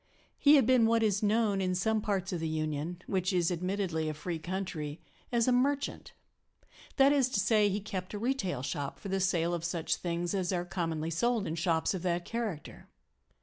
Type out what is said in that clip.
He had been what is known in some parts of the Union (which is admittedly a free country) as a "merchant"; that is to say, he kept a retail shop for the sale of such things as are commonly sold in shops of that character.